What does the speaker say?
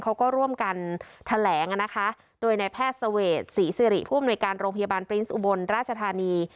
เขาก็ร่วมกันแถลงนะคะโดยในแพทย์เสวดศรีสิริผู้อำนวยการโรงพยาบาลปรินส์อุบลราชธานี